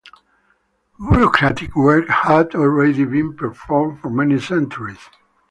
Bureaucratic work had already been performed for many centuries.